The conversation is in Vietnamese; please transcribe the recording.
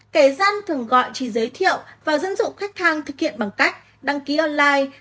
kẻ gian thường gọi chỉ giới thiệu và dẫn dụ khách hàng thực hiện bằng cách đăng ký online